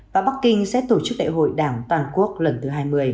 và bắc kinh sẽ tổ chức đại hội đảng toàn quốc lần thứ hai mươi